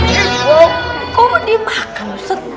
ibu kamu dimakan ustadz